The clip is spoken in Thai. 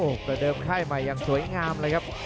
ประเดิมค่ายใหม่อย่างสวยงามเลยครับ